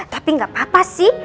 tapi gak papa sih